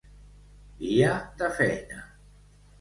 Dia de feina.